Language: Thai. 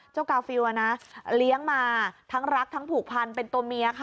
กาฟิลเลี้ยงมาทั้งรักทั้งผูกพันเป็นตัวเมียค่ะ